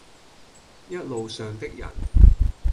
一路上的人，